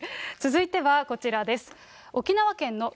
続いてはこちらです。